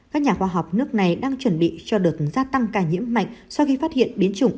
các nhà khoa học nước này đang chuẩn bị cho đợt gia tăng ca nhiễm mạnh sau khi phát hiện biến chủng